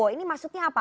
ini maksudnya apa